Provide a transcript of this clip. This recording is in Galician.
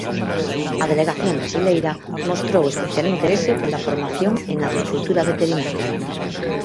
A delegación brasileira mostrou especial interese pola formación en acuicultura veterinaria.